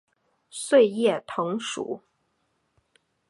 穗叶藤属。